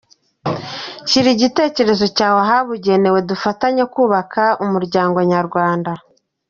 Shyira igitekerezo cyawe ahabugenewe dufatanye kubaka umuryango nyarwanda.